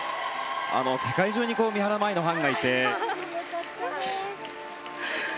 世界中に三原舞依のファンがいて。